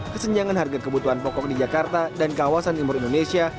kesenjangan harga kebutuhan pokok di jakarta dan kawasan timur indonesia